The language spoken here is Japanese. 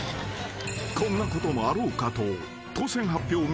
［こんなこともあろうかと当せん発表